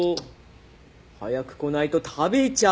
早く来ないと食べちゃうぞ。